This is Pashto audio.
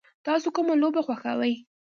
تاسو کومه لوبه خوښوئ؟